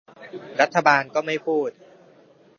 รัฐบาลก็ไม่พูด